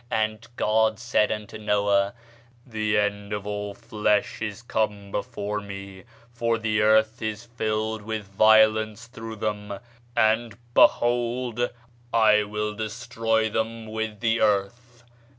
And God said unto Noah, The end of all flesh is come before me; for the earth is filled with violence through them; and, behold, I will destroy them with the earth.